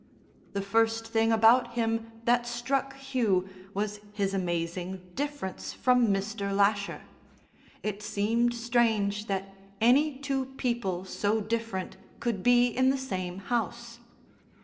The first thing about him that struck Hugh was his amazing difference from Mr. Lasher. It seemed strange that any two people so different could be in the same house.